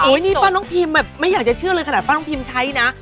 นี่ป้าน้องพิมแบบไม่อยากจะเชื่อเลยขนาดป้าน้องพิมใช้นะ